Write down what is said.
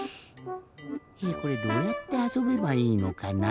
これどうやってあそべばいいのかな？